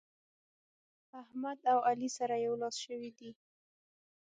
احمد او علي سره يو لاس شوي دي.